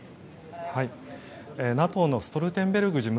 ＮＡＴＯのストルテンベルグ